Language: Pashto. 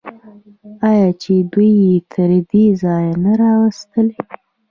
آیا چې دوی یې تر دې ځایه نه راوستل؟